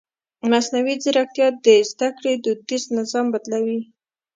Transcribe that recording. مصنوعي ځیرکتیا د زده کړې دودیز نظام بدلوي.